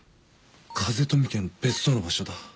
風富家の別荘の場所だ。